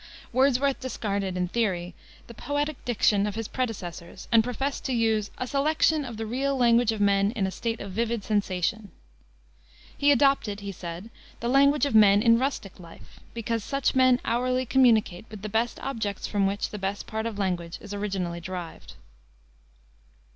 Wordsworth discarded, in theory, the poetic diction of his predecessors, and professed to use "a selection of the real language of men in a state of vivid sensation." He adopted, he said, the language of men in rustic life, "because such men hourly communicate with the best objects from which the best part of language is originally derived."